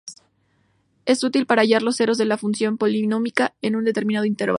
Es útil para hallar los ceros de una función polinómica en un determinado intervalo.